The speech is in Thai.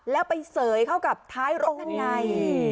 แล้วไปเสยเข้ากับท้ายรถยังไง